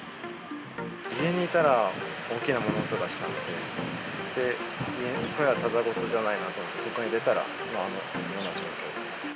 家にいたら、大きな物音がしたので、これはただごとじゃないなと外に出たら、あのような状況。